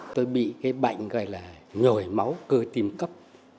tôi bị cái bệnh gọi là nhồi máu cơ tim cấp